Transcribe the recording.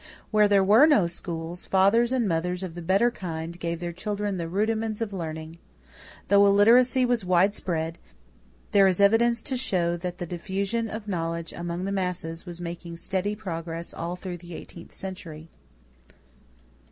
Where there were no schools, fathers and mothers of the better kind gave their children the rudiments of learning. Though illiteracy was widespread, there is evidence to show that the diffusion of knowledge among the masses was making steady progress all through the eighteenth century.